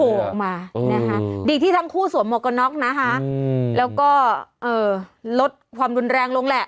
ออกมานะคะดีที่ทั้งคู่สวมหมวกกระน็อกนะคะแล้วก็เอ่อลดความรุนแรงลงแหละ